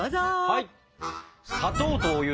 はい！